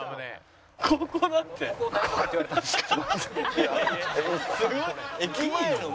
ここ大丈夫だって言われたんですけど。